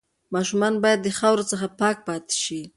ماشومان باید د خاورو څخه پاک پاتې شي.